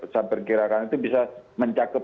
saya perkirakan itu bisa mencakup